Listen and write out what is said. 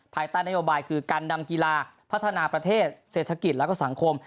ภายใต้นโยบายคือการนำกีฬาพัฒนาประเทศเศรษฐกิจแล้วก็สังคม